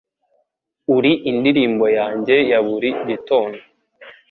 Uri indirimbo yanjye yaburi gitondo